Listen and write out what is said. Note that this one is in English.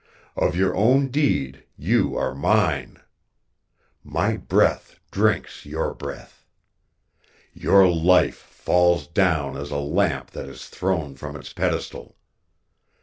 Of your own deed, you are mine. My breath drinks your breath. Your life falls down as a lamp that is thrown from its pedestal.